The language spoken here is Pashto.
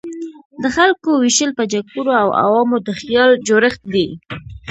د خلکو ویشل په جګپوړو او عوامو د خیال جوړښت دی.